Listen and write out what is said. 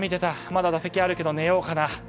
まだ打席あるけど寝ようかな。